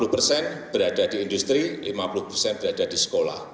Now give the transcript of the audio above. sepuluh persen berada di industri lima puluh persen berada di sekolah